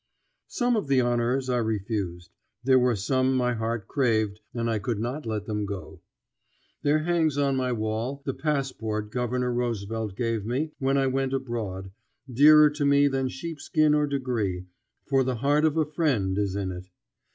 Some of the honors I refused; there were some my heart craved, and I could not let them go. There hangs on my wall the passport Governor Roosevelt gave me when I went abroad, dearer to me than sheepskin or degree, for the heart of a friend is in it.